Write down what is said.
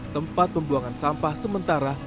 tempat pembuangan sampah sementara